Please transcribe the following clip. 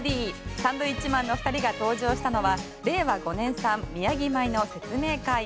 サンドウィッチマンの２人が登場したのは令和５年産宮城米の説明会。